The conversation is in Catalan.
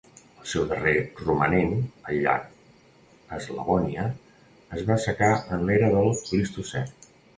El seu darrer romanent, el llac Eslavònia, es va assecar en l'era del Plistocè.